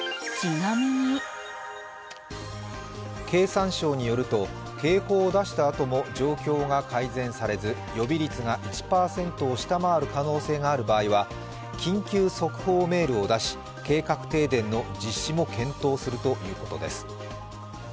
経産省によると、警報を出したあとも状況が改善されず予備率が１％を下回る可能性がある場合は、緊急速報メールを出し計画停電の実施も検討するということです。